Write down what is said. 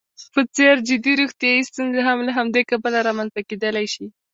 په څېر جدي روغیتايي ستونزې هم له همدې کبله رامنځته کېدلی شي.